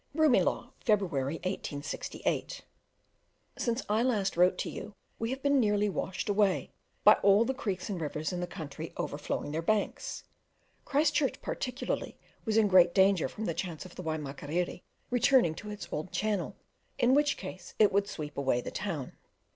Broomielaw, February 1868. Since I last wrote to you we have been nearly washed away, by all the creeks and rivers in the country overflowing their banks! Christchurch particularly was in great danger from the chance of the Waimakiriri returning to its old channel, in which case it would sweep away the town.